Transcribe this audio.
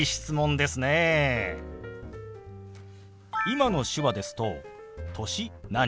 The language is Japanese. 今の手話ですと「歳何？」